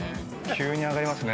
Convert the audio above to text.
急に上がりますね。